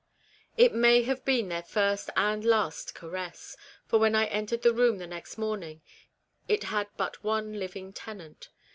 It may have been their first and last caress, for when I entered the room the next morning it had but one living tenant.